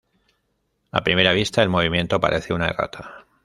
A primera vista, el movimiento parece una errata.